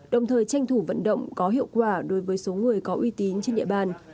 đồng thời tranh thủ vận động có hiệu quả đối với số người có uy tín trên địa bàn